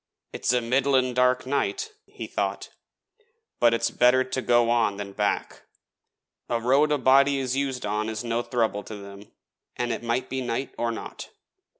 'It's a middlin' dark night,' he thought; 'but it's better to go on than back a road a body is used on is no throuble to them, let it be night or not.'